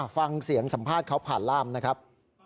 ฟังเสียงสัมภาษณ์เขาผ่านร่ามนะครับ